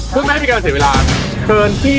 เพื่อไม่ให้มีเวลาเพิ่นที่